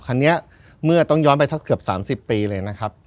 คันนี้เมื่อต้องย้อนไปสักเกือบ๓๐ปีเลยนะครับ